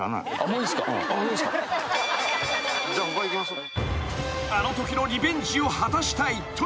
じゃあ他行きましょう。